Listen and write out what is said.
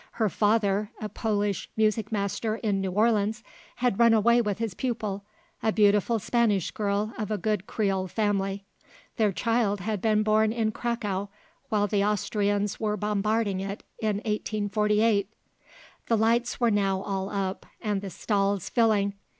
Her father, a Polish music master in New Orleans, had run away with his pupil, a beautiful Spanish girl of a good Creole family. Their child had been born in Cracow while the Austrians were bombarding it in 1848. The lights were now all up and the stalls filling.